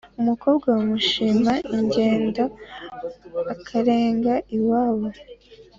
Umukobwa bamushima ingendo akarenga iwabo.